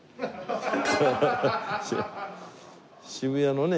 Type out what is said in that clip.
渋谷のね